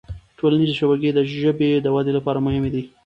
ټولنیزې شبکې د ژبې د ودې لپاره مهمي دي